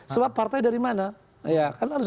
sebab partai dari mana kan harus